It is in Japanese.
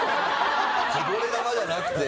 こぼれ球じゃなくて。